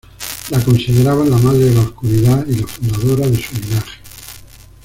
La consideraban la madre de la oscuridad y la fundadora de su linaje.